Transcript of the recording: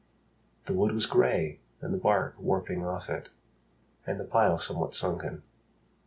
The wood was grey and the bark warping off it And the pile somewhat sunken.